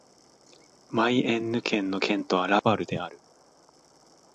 マイエンヌ県の県都はラヴァルである